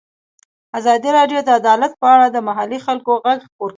ازادي راډیو د عدالت په اړه د محلي خلکو غږ خپور کړی.